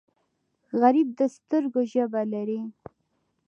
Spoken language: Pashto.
غریب د سترګو ژبه لري